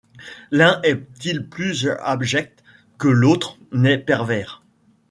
L’un est-il plus abject que l’autre n’est pervers ?